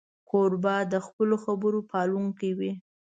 کوربه د خپلو خبرو پالونکی وي.